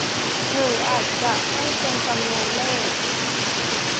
หรืออาจจะให้เป็นจำนวนเลข